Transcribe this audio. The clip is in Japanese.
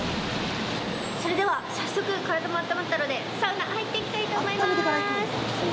それでは早速体もあったまったのでサウナ入っていきたいと思います！